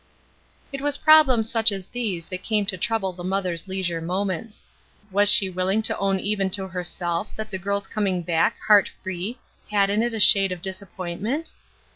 It was problems such as these that came to trouble the mother's leisure moments. Was she willing to own even to herself that the girl's coming back heart free had in it a shade of disappointment?